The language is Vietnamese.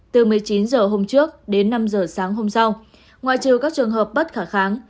từ một mươi chín h hôm trước đến năm h sáng hôm sau ngoại trừ các trường hợp bất khả kháng